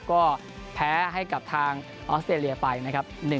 ก็แพ้ให้กับทางออสเตรเลียไป๑๕